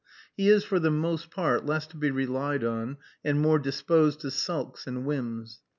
He is, for the most part, less to be relied on, and more disposed to sulks and whims.